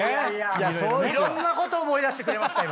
いろんなこと思い出してくれました今。